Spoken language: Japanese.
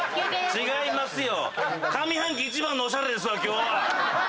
違いますよ！